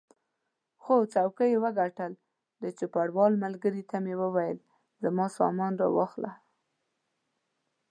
خو څوکۍ یې وګټل، د چوپړوال ملګري ته مې وویل زما سامان را واخله.